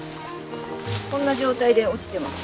こんな状態で落ちてます。